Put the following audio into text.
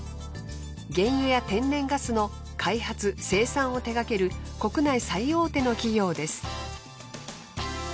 原油や天然ガスの開発・生産を手がける国内最大手の企業です。